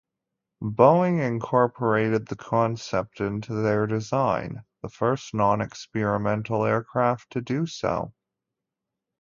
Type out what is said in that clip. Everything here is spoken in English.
Boeing incorporated the concept into their design, the first non-experimental aircraft to do so.